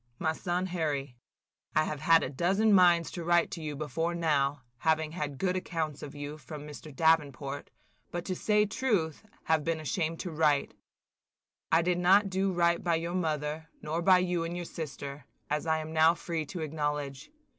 "MY SON HARRY: – "I have had a dozen minds to write to you before now, having had good accounts of you from Mr. Davenport; but, to say truth, have been ashamed to write. I did not do right by your mother, nor by you and your sister, as I am now free to acknowledge.